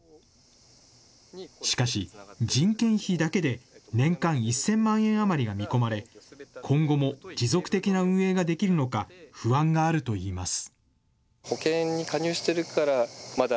しかし、人件費だけで年間１０００万円余りが見込まれ、今後も持続的な運営ができるのか、不安があるといいます。